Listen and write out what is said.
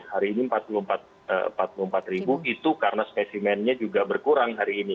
hari ini empat puluh empat ribu itu karena spesimennya juga berkurang hari ini